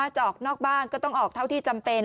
จะออกนอกบ้านก็ต้องออกเท่าที่จำเป็น